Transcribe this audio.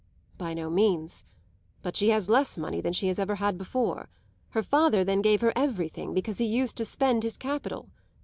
"By no means. But she has less money than she has ever had before. Her father then gave her everything, because he used to spend his capital.